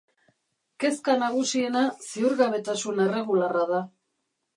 Kezka nagusiena ziurgabetasun erregularra da.